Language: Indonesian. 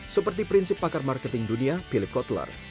seperti prinsip pakar marketing dunia philip kotler